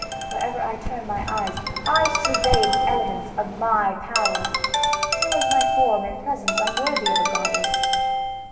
Wherever I turn my eyes I survey the elements of my power; nor is my form and presence unworthy of a goddess.